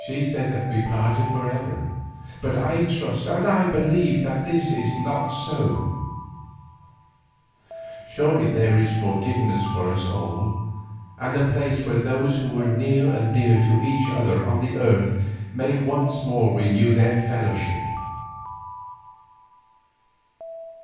She said that we parted for ever, but I trust and I believe that this is not so. Surely there is forgiveness for us all, and a place where those who were near and dear to each other on the earth may once more renew their fellowship.